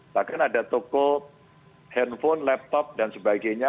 bahkan ada toko handphone laptop dan sebagainya